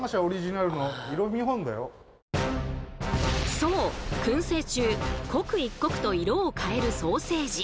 そうくん製中刻一刻と色を変えるソーセージ。